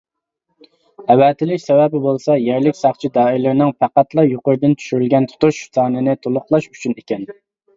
ئەۋەتىلىش سەۋەبى بولسا يەرلىك ساقچى دائىرىلىرىنىڭ پەقەتلا يۇقىرىدىن چۈشۈرگەن تۇتۇش سانىنى تولۇقلاش ئۈچۈن ئىكەن.